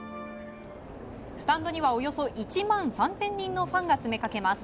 スタンドにはおよそ１万３０００人のファンが詰めかけます。